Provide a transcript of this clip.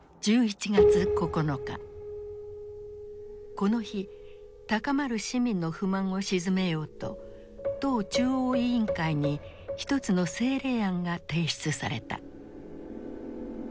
この日高まる市民の不満を鎮めようと党中央委員会に一つの政令案が提出された。